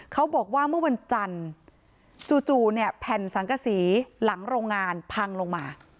เขาบอกว่าเมื่อวันจันทร์จู่เนี่ยแผ่นสังกษีหลังโรงงานพังลงมา